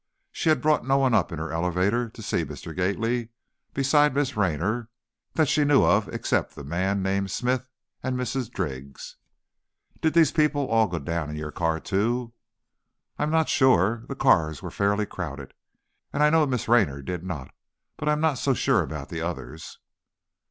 She had brought no one up in her elevator to see Mr. Gately beside Miss Raynor that she knew of except the man named Smith and Mrs. Driggs. "Did these people all go down in your car, too?" "I'm not sure. The cars were fairly crowded, and I know Miss Raynor did not, but I'm not so sure about the others."